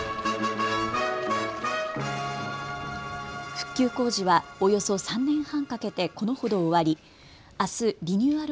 復旧工事はおよそ３年半かけてこのほど終わりあすリニューアル